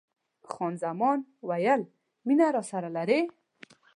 خان زمان وویل: مینه راسره لرې؟